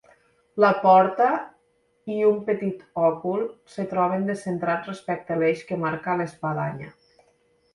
La porta i un petit òcul es troben descentrats respecte a l'eix que marca l'espadanya.